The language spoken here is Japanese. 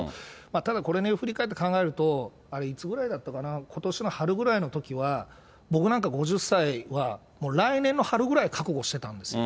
ただこれね、振り返って考えると、いつぐらいだったかな、ことしの春ぐらいのときは、僕なんか５０歳はもう来年の春ぐらい、覚悟してたんですよ。